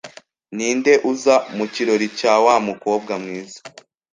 "Ninde uza mu kirori cya wa mukobwa mwiza